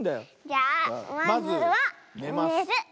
じゃあまずはねる。